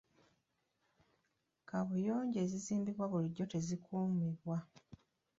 Kaabuyonjo ezizimbibwa bulijjo tezikuumibwa.